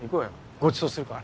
ごちそうするから。